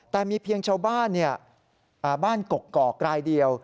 แต่มีเพียงชาวบ้านบ้านกกอกรายเดียว